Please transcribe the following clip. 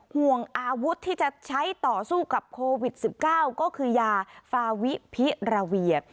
ห่วงอาวุธที่จะใช้ต่อสู้กับโควิด๑๙ก็คือยาฟาวิพิราเวีย